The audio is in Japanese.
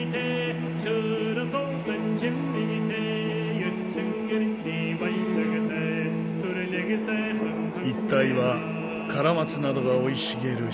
一帯はカラマツなどが生い茂る針葉樹林。